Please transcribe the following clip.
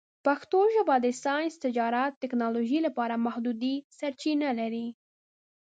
پښتو ژبه د ساینس، تجارت، او ټکنالوژۍ لپاره محدودې سرچینې لري.